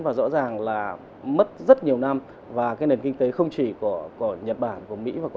và rõ ràng là mất rất nhiều năm và nền kinh tế không chỉ của nhật bản của mỹ và quốc gia